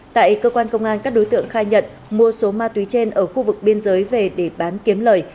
tại cơ quan công an các đối tượng khai nhận mua số ma túy trên ở khu vực biên giới về để bán kiếm lời